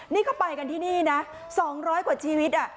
นี่เขาไปกันที่นี่นะ๒๐๐กว่าชีวิต